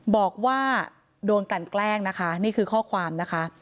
บอกว่าโดนกลั่นแกล้งนะคะนี่คือข้อความนะคะ